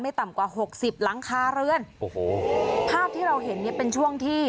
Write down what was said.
ต่ำกว่าหกสิบหลังคาเรือนโอ้โหภาพที่เราเห็นเนี้ยเป็นช่วงที่